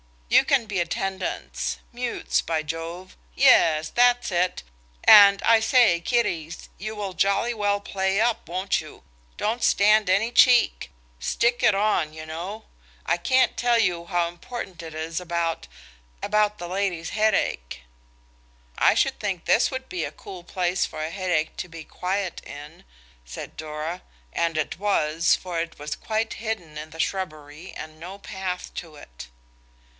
You can be attendants–mutes by Jove!–yes that's it. And, I say, kiddies, you will jolly well play up, won't you? Don't stand any cheek. Stick it on, you know. I can't tell you how important it is about–about the lady's headache." "I should think this would be a cool place for a headache to be quiet in," said Dora; and it was, for it was quite hidden in the shrubbery and no path to it.